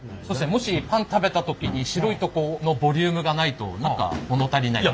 もしパン食べた時に白いとこのボリュームがないと何か物足りない。